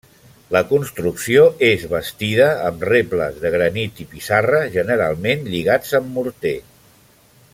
La construcció és bastida amb rebles de granit i pissarra, generalment lligats amb morter.